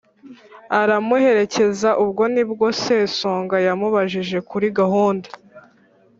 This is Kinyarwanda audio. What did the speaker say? aramuherekeza. Ubwo ni bwo Sesonga yamubajije kuri gahunda